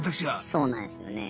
そうなんですよね。